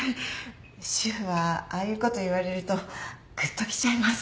主婦はああいうこと言われるとぐっときちゃいます。